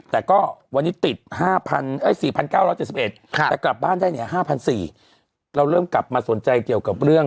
แต่ก็วันนี้ติด๔๙๗๑แต่กลับบ้านได้เนี่ย๕๔๐๐